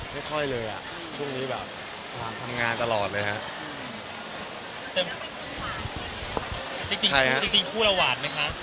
ไม่ค่อยเลยช่วงนี้เรามีทำงานตลอดเลยครับ